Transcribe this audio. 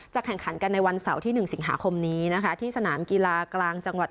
แข่งขันกันในวันเสาร์ที่๑สิงหาคมนี้นะคะที่สนามกีฬากลางจังหวัด